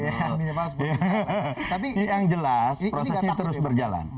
tapi yang jelas prosesnya terus berjalan